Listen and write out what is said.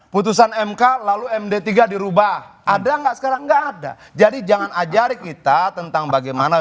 putusan mk lalu md tiga dirubah ada enggak sekarang enggak ada jadi jangan ajari kita tentang bagaimana